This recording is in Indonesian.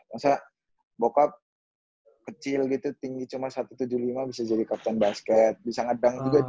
maksudnya bokap kecil gitu tinggi cuma satu ratus tujuh puluh lima bisa jadi kapten basket bisa ngedan juga